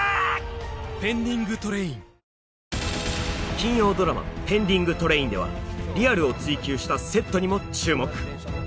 金曜ドラマ「ペンディングトレイン」ではリアルを追求したセットにも注目